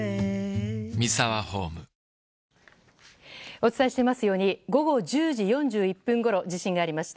お伝えしていますように午後１０時４１分ごろ地震がありました。